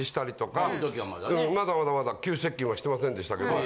まだまだ急接近はしてませんでしたけど。